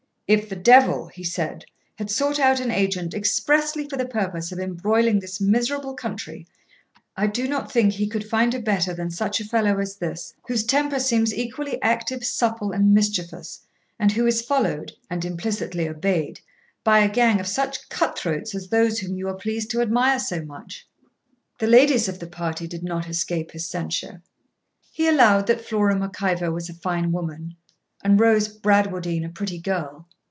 'If the devil,' he said, 'had sought out an agent expressly for the purpose of embroiling this miserable country, I do not think he could find a better than such a fellow as this, whose temper seems equally active, supple, and mischievous, and who is followed, and implicitly obeyed, by a gang of such cut throats as those whom you are pleased to admire so much.' The ladies of the party did not escape his censure. He allowed that Flora Mac Ivor was a fine woman, and Rose Bradwardine a pretty girl.